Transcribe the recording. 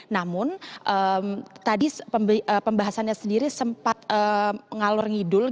namun tadi pembahasannya sendiri sempat ngalur ngidul